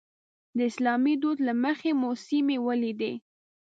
د اسلامي دود له مخې مو سیمې ولیدې.